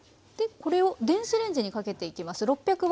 これを電子レンジにかけていきます。